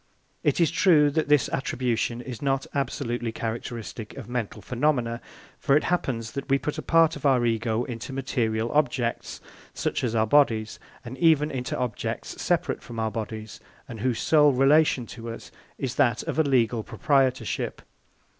It is true that this attribution is not absolutely characteristic of mental phenomena, for it happens that we put a part of our Ego into material objects, such as our bodies, and even into objects separate from our bodies, and whose sole relation to us is that of a legal proprietorship.